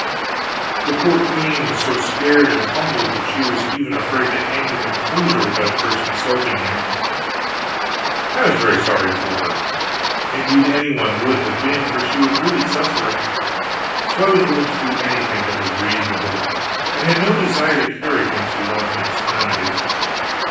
The poor queen was so scared and humbled that she was even afraid to hang the composer without first consulting me. I was very sorry for her indeed, any one would have been, for she was really suffering; so I was willing to do anything that was reasonable, and had no desire to carry things to wanton extremities.